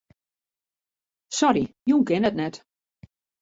Sorry, jûn kin ik net.